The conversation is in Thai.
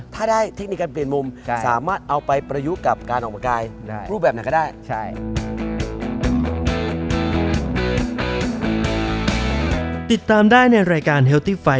ถ้าได้เทคนิคการเปลี่ยนมุมสามารถเอาไปประยุกต์กับการออกกำลังกายรูปแบบไหนก็ได้